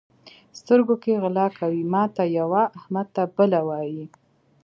سترګو کې غلا کوي؛ ماته یوه، احمد ته بله وایي.